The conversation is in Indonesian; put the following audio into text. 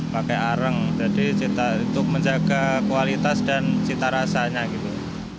pakai arang jadi untuk menjaga kualitas dan cita rasanya gitu